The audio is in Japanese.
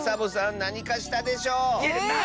なにかしたでしょ